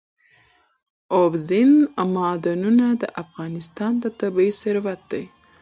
اوبزین معدنونه د افغانستان طبعي ثروت دی.